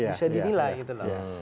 bisa dinilai gitu loh